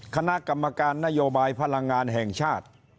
คณะกรรมการนโยบายพลังงานแห่งชาติ